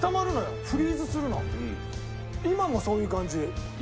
今もそういう感じ。